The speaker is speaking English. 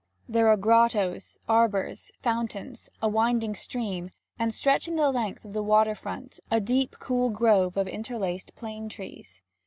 There are grottos, arbours, fountains, a winding stream, and, stretching the length of the water front, a deep cool grove of interlaced plane trees.